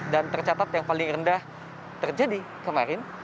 dan tercatat yang paling rendah terjadi kemarin